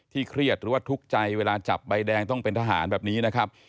เครียดหรือว่าทุกข์ใจเวลาจับใบแดงต้องเป็นทหารแบบนี้นะครับ